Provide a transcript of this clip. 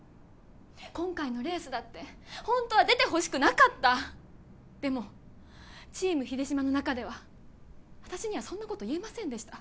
今回のレースだってホントは出てほしくなかったでもチーム秀島の中では私にはそんなこと言えませんでした